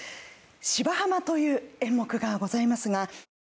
「芝浜」という演目がございますが。